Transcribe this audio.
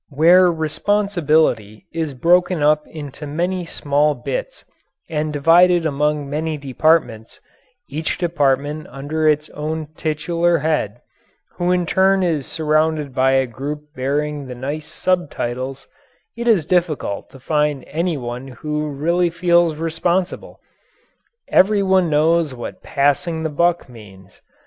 Where responsibility is broken up into many small bits and divided among many departments, each department under its own titular head, who in turn is surrounded by a group bearing their nice sub titles, it is difficult to find any one who really feels responsible. Everyone knows what "passing the buck" means.